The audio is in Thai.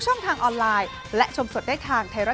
ใช่อย่าทำนะคะ